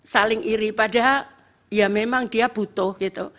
saling iri padahal ya memang dia butuh gitu